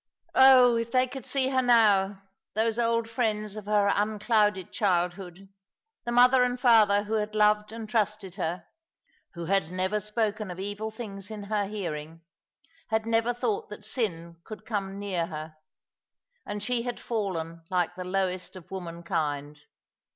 Oh, if they could see her now, those old friends of her unclouded childhood, the mother and father who had loved and trusted her, who had never spoken of evil things in her hearing, had never thought that sin could come near her ! And she had fallen like the lowest of womankind.